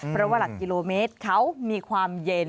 เพราะว่าหลักกิโลเมตรเขามีความเย็น